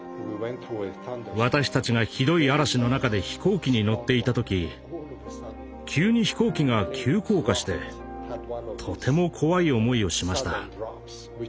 私たちがひどい嵐の中で飛行機に乗っていた時急に飛行機が急降下してとても怖い思いをしました。